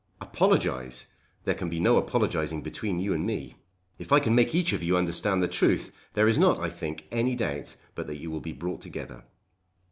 "Apologise! There can be no apologising between you and me. If I can make each of you understand the truth there is not I think any doubt but that you will be brought together."